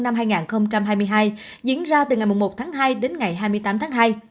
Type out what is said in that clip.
năm hai nghìn hai mươi hai diễn ra từ ngày một tháng hai đến ngày hai mươi tám tháng hai